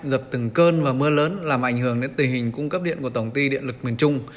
dập từng cơn và mưa lớn làm ảnh hưởng đến tình hình cung cấp điện của tổng ty điện lực miền trung